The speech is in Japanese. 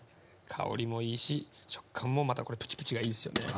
香りもいいし食感もまたプチプチがいいですよね。